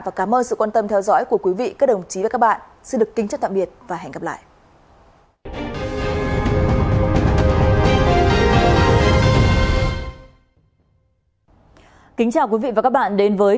và cảm ơn sự quan tâm theo dõi của quý vị các đồng chí và các bạn